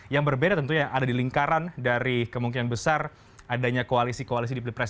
yang berbeda tentunya ada di lingkaran dari kemungkinan besar adanya koalisi koalisi di pilpres dua ribu sembilan